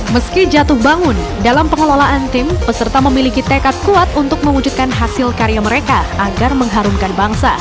meski jatuh bangun dalam pengelolaan tim peserta memiliki tekad kuat untuk mewujudkan hasil karya mereka agar mengharumkan bangsa